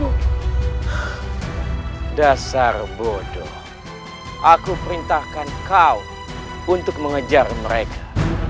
dasar bodoh aku perintahkan kau untuk mengejar mereka